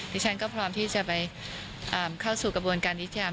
ดิฉันก็พร้อมที่จะไปเข้าสู่กระบวนการยุติธรรม